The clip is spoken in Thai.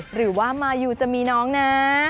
หรือว่ามายูจะมีน้องนะ